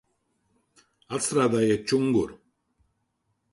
Atstrādājiet čunguru!